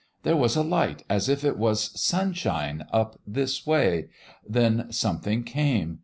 There was a light as if it was sunshine up this way; then something came.